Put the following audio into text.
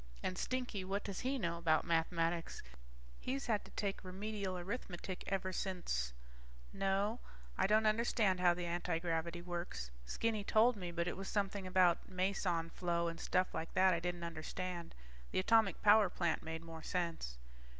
And Stinky, what does he know about mathematics? He's had to take Remedial Arithmetic ever since ...No, I don't understand how the antigravity works. Skinny told me, but it was something about meson flow and stuff like that that I didn't understand. The atomic power plant made more sense.